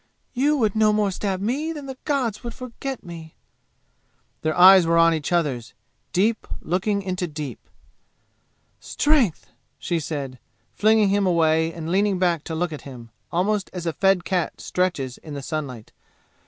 You would no more stab me than the gods would forget me!" Their eyes were on each other's deep looking into deep. "Strength!" she said, flinging him away and leaning back to look at him, almost as a fed cat stretches in the sunlight.